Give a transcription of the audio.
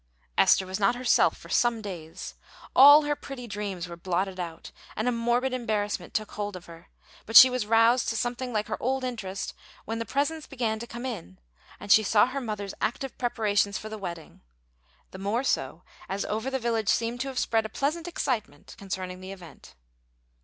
Esther was not herself for some days. All her pretty dreams were blotted out, and a morbid embarrassment took hold of her; but she was roused to something like her old interest when the presents began to come in and she saw her mother's active preparations for the wedding the more so as over the village seemed to have spread a pleasant excitement concerning the event.